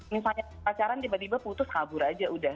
misalnya pacaran tiba tiba putus kabur aja udah